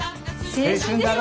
青春だろ！